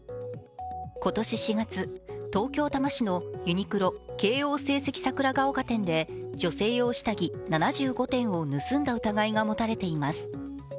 今年４月、東京・多摩市のユニクロ聖蹟桜ヶ丘店で女性用下着７５点を盗んだ疑いが持たれています。